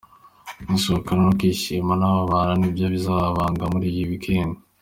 Gusohoka no kwishimana n’aba bantu nibyo bizabaranga muri iyi weekend.